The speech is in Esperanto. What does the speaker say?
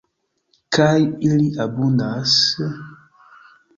Kaj ili abundas….